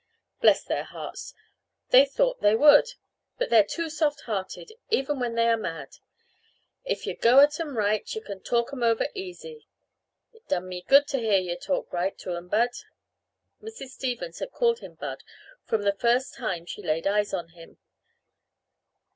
"Bless their hearts, they thought they would but they're too soft hearted, even when they are mad. If yuh go at 'em right yuh can talk 'em over easy. It done me good to hear yuh talk right up to 'em, Bud." Mrs. Stevens had called hi Bud from the first time she laid eyes on him.